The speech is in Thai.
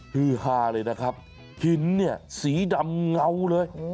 ฮือฮาเลยนะครับหินเนี่ยสีดำเงาเลย